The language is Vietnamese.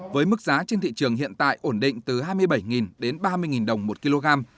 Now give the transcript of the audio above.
với mức giá trên thị trường hiện tại ổn định từ hai mươi bảy đến ba mươi đồng một kg